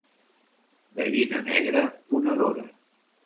Gallina negra, ponedora.